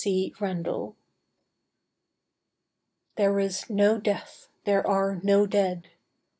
C. Randall_.) 'There is no death, there are no dead.